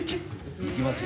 いきますよ。